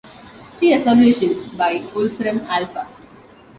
See a solution by Wolfram Alpha.